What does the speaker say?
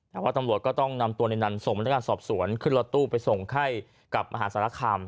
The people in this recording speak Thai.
แต่ว่าตำรวจก็ต้องนำตัวในนั้นส่งพนักงานสอบสวนขึ้นรถตู้ไปส่งให้กับมหาสารคาม